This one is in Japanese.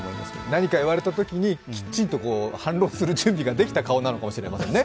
何か言われたときに反論する準備ができた顔なのかもしれませんね。